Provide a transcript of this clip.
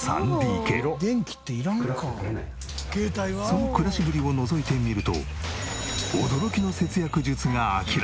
その暮らしぶりをのぞいてみると驚きの節約術が明らかに！